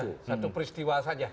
ya satu peristiwa saja